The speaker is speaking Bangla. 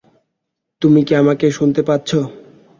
তুমি কি আমাকে শুনতে পাচ্ছো?